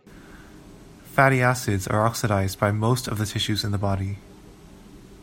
Fatty acids are oxidized by most of the tissues in the body.